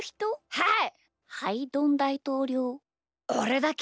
はい！